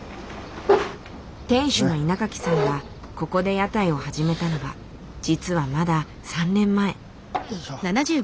店主の稲垣さんがここで屋台を始めたのは実はまだ３年前。